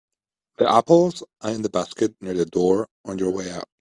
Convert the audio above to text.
The apples are in the basket near the door on your way out.